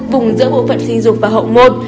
vùng giữa bộ phần sinh dục và hậu môn